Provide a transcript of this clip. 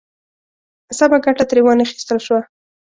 سمه ګټه ترې وا نخیستل شوه.